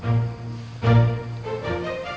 lebih heboh daripada sinetron